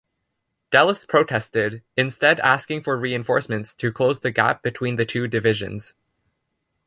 Dallas protested, instead asking for reinforcements to close the gap between the two divisions.